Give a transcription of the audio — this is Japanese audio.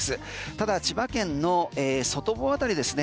ただ千葉県の外房あたりですね